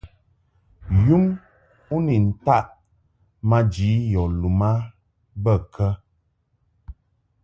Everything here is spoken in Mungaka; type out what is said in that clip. Yum u ni ntaʼ maji yɔ lum a bə kə ?